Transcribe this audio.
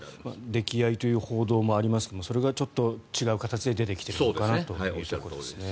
溺愛という報道もありますがそれがちょっと違う形で出ているのかなということですね。